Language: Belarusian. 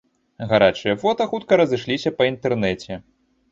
Гарачыя фота хутка разышліся па інтэрнэце.